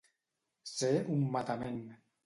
Ser un matament.